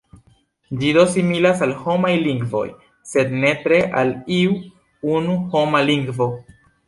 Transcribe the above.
Ĝi do similas al homaj lingvoj, sed ne tre al iu unu homa lingvo.